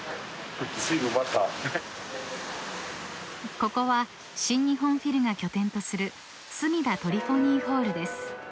［ここは新日本フィルが拠点とするすみだトリフォニーホールです］